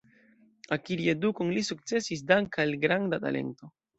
Akiri edukon li sukcesis dank al granda talento.